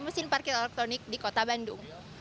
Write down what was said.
mesin parkir elektronik di kota bandung